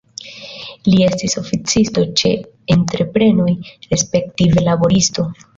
Li estis oficisto ĉe entreprenoj, respektive laboristo.